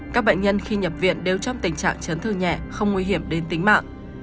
các bệnh nhân khi nhập viện đều trong tình trạng chấn thương nhẹ không nguy hiểm đến tính mạng